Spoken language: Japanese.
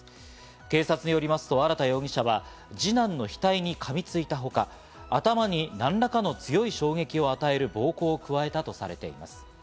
警察によりますと荒田容疑者は、二男の額に噛みついたほか、頭に何らかの強い衝撃を与える暴行を加えたとされています。